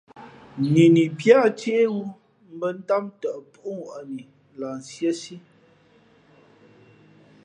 Nini píá ncéhwú mbᾱ ntám tαʼ púʼŋwαʼnǐ lah nsíésí.